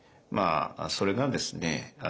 それがですね